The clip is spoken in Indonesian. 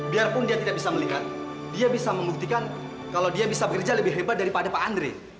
biarpun dia tidak bisa melihat dia bisa membuktikan kalau dia bisa bekerja lebih hebat daripada pak andre